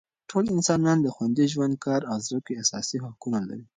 ټول انسانان د خوندي ژوند، کار او زده کړې اساسي حقونه لري.